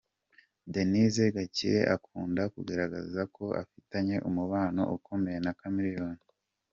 Denise Gakire akunda kugaragaza ko afitanye umubano ukomeye na Chameleone.